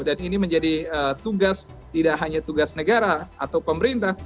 dan ini menjadi tugas tidak hanya tugas negara atau pemerintah